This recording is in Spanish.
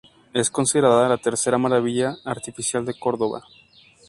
Es considerada la tercera Maravilla Artificial de Córdoba.